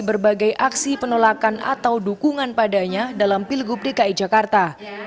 berbagai aksi penolakan atau dukungan padanya dalam pilgub dki jakarta